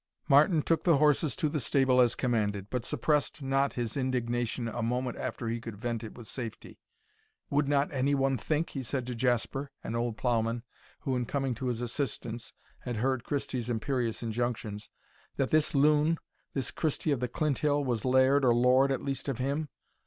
Martin took the horses to the stable as commanded, but suppressed not his indignation a moment after he could vent it with safety. "Would not any one think," he said to Jasper, an old ploughman, who, in coming to his assistance, had heard Christie's imperious injunctions, "that this loon, this Christie of the Clinthill, was laird or lord at least of him?